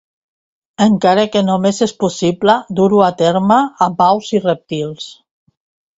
Encara que només és possible dur-ho a terme amb aus i rèptils.